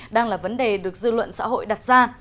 đang là vấn đề được dư luận xã hội đặt ra